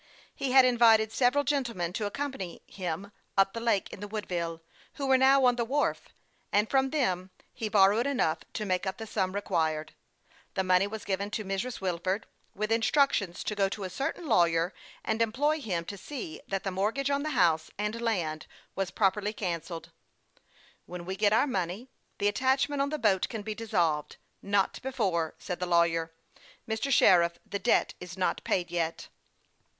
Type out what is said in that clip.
He had invited several gentlemen to accompany him up the lake in the Woodville, who were now on the wharf, and from them he borrowed enough to make up the sum required. The mone)' was given to Mrs. Wilford, with instructions to go to a certain lawyer in the village, and employ him to see that the mortgage on the house and land was properly cancelled. 232 HASTE AND WASTE, OR " When we get our money, the attachment on the boat can be dissolved, not before," said the lawyer. " Mr. Sheriff, the debt is not paid yet."